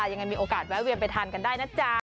ยังไงมีโอกาสแวะเวียนไปทานกันได้นะจ๊ะ